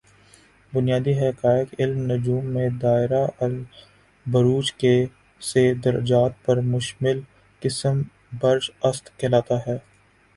بنیادی حقائق علم نجوم میں دائرۃ البروج کے سے درجات پر مشمل قسم برج اسد کہلاتا ہے